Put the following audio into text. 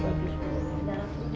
yang masih tam celebrate